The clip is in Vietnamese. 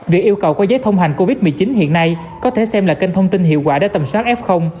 việc yêu cầu quay giấy thông hành covid một mươi chín hiện nay có thể xem là kênh thông tin hiệu quả để tầm soát f